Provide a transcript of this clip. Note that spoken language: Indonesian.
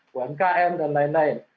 buang km dan lain lain